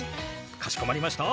かしこまりました。